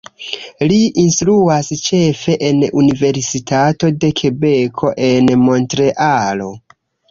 Li instruas ĉefe en Universitato de Kebeko en Montrealo.